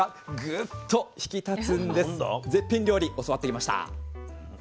絶品料理教わってきました。